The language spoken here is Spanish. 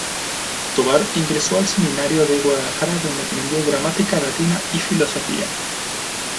Tovar ingresó al Seminario de Guadalajara donde aprendió gramática latina y filosofía.